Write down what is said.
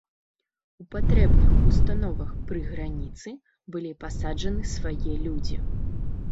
У патрэбных установах пры граніцы былі пасаджаны свае людзі.